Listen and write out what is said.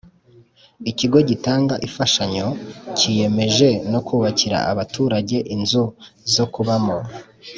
ikigo gitanga ifashanyo cyiyemeje nokubakira abaturage inzu zo kubamo